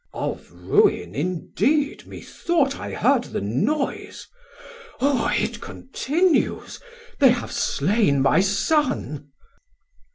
Man: Of ruin indeed methought I heard the noise, Oh it continues, they have slain my Son.